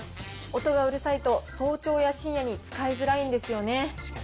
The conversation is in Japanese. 音がうるさいと、早朝や深夜に使いづらいんですよね。